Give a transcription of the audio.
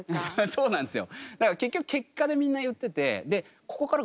そうなんですよ。